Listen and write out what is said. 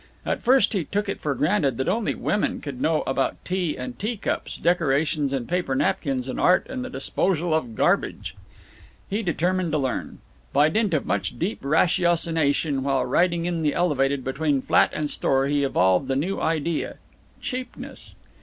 At first he took it for granted that only women could know about tea and tea cups, decorations and paper napkins and art and the disposal of garbage. He determined to learn. By dint of much deep ratiocination while riding in the Elevated between flat and store he evolved the new idea cheapness.